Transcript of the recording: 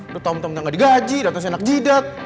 lo tau minta minta gak digaji datang senak jidat